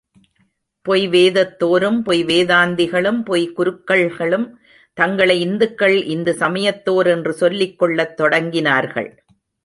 பொய் வேதத்தோரும் பொய் வேதாந்திகளும் பொய்க்குருக்கள்களும் தங்களை இந்துக்கள், இந்து சமயத்தோர் என்று சொல்லிக் கொள்ளத் தொடங்கினார்கள்.